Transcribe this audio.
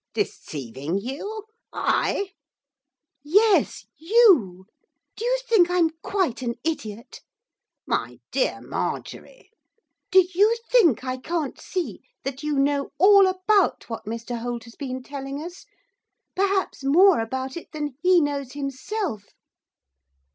'Deceiving you? I!' 'Yes, you! Do you think I'm quite an idiot?' 'My dear Marjorie!' 'Do you think I can't see that you know all about what Mr Holt has been telling us, perhaps more about it than he knows himself?